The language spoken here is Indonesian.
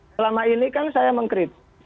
selama ini kan saya mengkritik